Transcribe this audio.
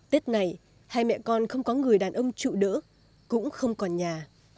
tết này hai mẹ con không có người đàn ông trụ đỡ cũng không còn nhà